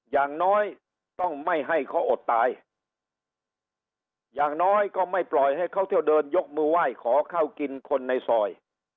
อย่างน้อยต้องไม่ให้เขาอดตายอย่างน้อยก็ไม่ปล่อยให้เขาเที่ยวเดินยกมือไหว้ขอข้าวกินคนในซอย